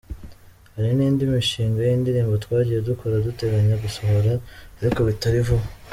Hari n’indi mishinga y’indirimbo twagiye dukora duteganya gusohora ariko bitari vuba.